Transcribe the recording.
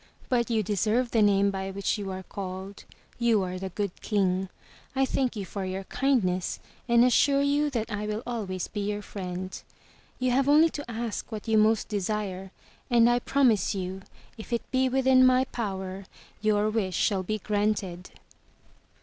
But you deserve the name by which you are called; you are the Good King. I thank you for your kindness and assure you that I will always be your 326 THROUGH FAIRY HALLS friend. You have only to ask what you most desire and I prom ise you if it be within my power, your wish shall be granted."